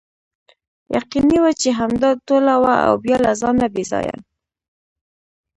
یقیني وه چې همدا ټوله وه او بیا له ځانه بې ځایه.